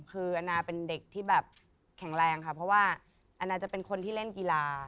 คือแอนนาเป็นเด็กที่แบบแข็งแรงค่ะเพราะว่าแอนนาจะเป็นคนที่เล่นกีฬา